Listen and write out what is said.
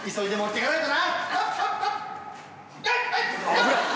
危ない！